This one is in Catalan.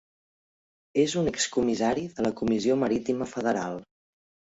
És un excomissari de la Comissió Marítima Federal.